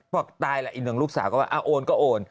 บอกตายล่ะอีกหนึ่งลูกสาวก็ว่าโอนก็โอน